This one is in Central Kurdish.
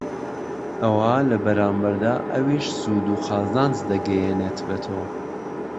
ئەوا لە بەرامبەردا ئەویش سوود و قازانج دەگەیەنێت بەتۆ